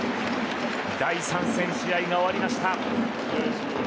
第３戦試合が終わりました。